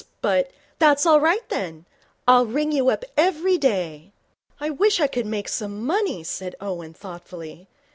But ' 'That's all right, then. I'll ring you up every day.' 'I wish I could make some money,' said Owen, thoughtfully.